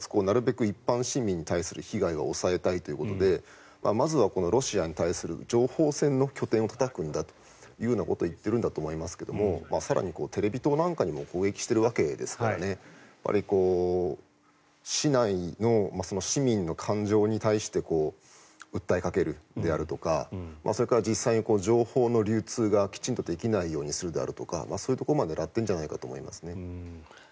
なるべく一般市民に対する被害は抑えたいということでまずはこのロシアに対する情報戦の拠点をたたくんだというようなことを言っているんだと思いますが更にテレビ塔なんかにも攻撃しているわけですから市内の市民の感情に対して訴えかけるであるとかそれから実際に情報の流通がきちんとできないようにするであるとかそういうところを狙ってるんじゃないかと思います。